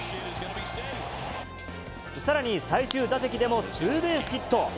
さらに、最終打席でもツーベースヒット。